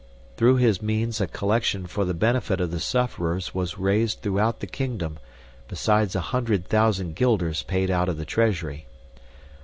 Through his means a collection for the benefit of the sufferers was raised throughout the kingdom, besides a hundred thousand guilders paid out of the treasury.